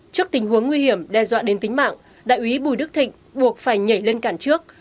trước tình huống nguy hiểm đe dọa đến tính mạng đại úy bùi đức thịnh buộc phải nhảy lên cản trước